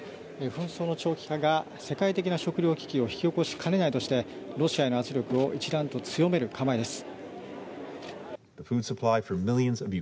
紛争の長期化が世界的な食糧危機を引き起こしかねないとしてロシアへの圧力を一段と強める構えです。